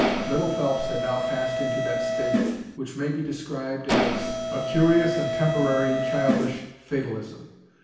Little Phelps had now passed into that state which may be described as a curious and temporary childish fatalism.